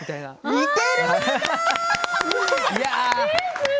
似ている！